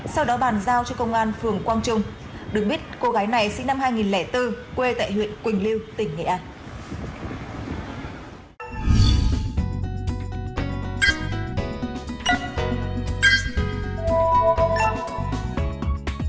sau đó bàn giao cho công an phường quang trung được biết cô gái này sinh năm hai nghìn bốn quê tại huyện quỳnh lưu tỉnh nghệ an